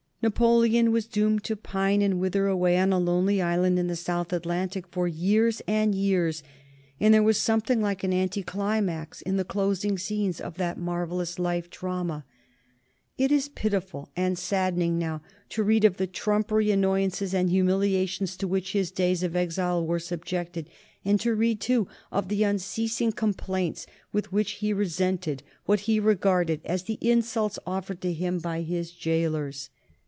Napoleon was doomed to pine and wither away on a lonely island in the South Atlantic for years and years, and there was something like an anticlimax in the closing scenes of that marvellous life drama. It is pitiful and saddening now to read of the trumpery annoyances and humiliations to which his days of exile were subjected, and to read, too, of the unceasing complaints with which he resented what he regarded as the insults offered to him by his jailers.